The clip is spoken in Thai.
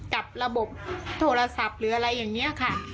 กับระบบโทรศัพท์หรืออะไรอย่างนี้ค่ะ